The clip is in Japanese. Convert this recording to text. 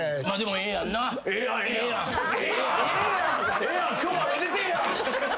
ええやん今日はめでてえや！